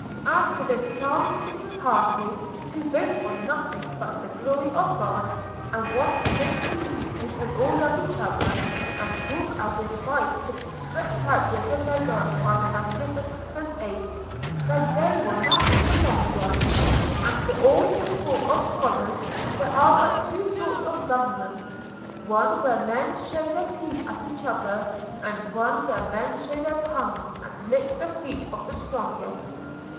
As for this psalm singing party, who vote for nothing but the glory of God, and want to make believe we can all love each other, and talk as if vice could be swept out with a besom by the Magnificent Eight, their day will not be a long one. After all the talk of scholars, there are but two sorts of government: one where men show their teeth at each other, and one where men show their tongues and lick the feet of the strongest.